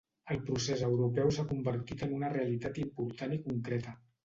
el procés europeu s'ha convertit en una realitat important i concreta